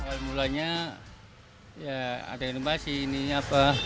awal mulanya ya ada inovasi ini apa